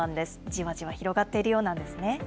じわじわ広がっているようなんですね。